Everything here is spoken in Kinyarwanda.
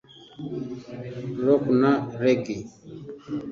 Rock na Reggae